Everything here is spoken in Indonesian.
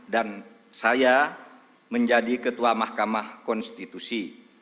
dan saya menjadi ketua mahkamah konstitusi